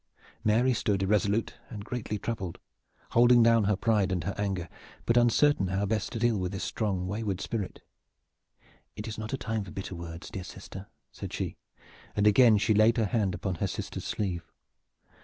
Mary stood irresolute and greatly troubled, holding down her pride and her anger, but uncertain how best to deal with this strong wayward spirit. "It is not a time for bitter words, dear sister," said she, and again she laid her hand upon her sister's sleeve.